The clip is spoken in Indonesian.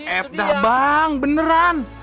eh udah bang beneran